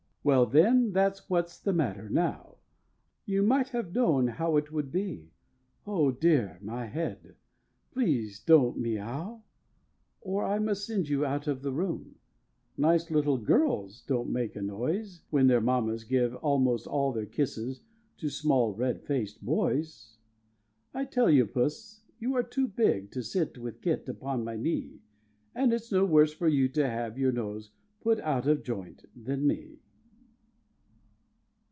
Well, then, that's what's the matter now; You might have known how it would be Oh dear, my head! Please don't me ow, Or I must send you out the room; Nice little girls don't make a noise When their mammas give almost all Their kisses to small red faced boys. I tell you, puss, you are too big To sit with kit upon my knee, And it's no worse for you to have Your nose put out of joint than me.